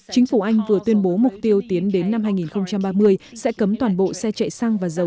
chính phủ anh vừa tuyên bố mục tiêu tiến đến năm hai nghìn ba mươi sẽ cấm toàn bộ xe chạy xăng và dầu